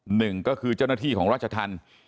หนึ่งก็คือเจ้าหน้าที่ของราชธรรม